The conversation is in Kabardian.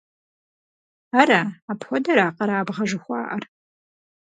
Ара, апхуэдэра къэрабгъэ жыхуаӀэр?